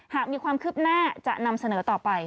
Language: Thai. หากมีความคืบหน้าจะนำเสนอต่อไป